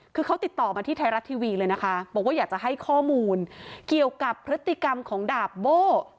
คือเขาติดต่อมาที่ไทยรัฐทีวีเลยนะคะบอกว่าอยากจะให้ข้อมูลเกี่ยวกับพฤติกรรมของดาบโบ้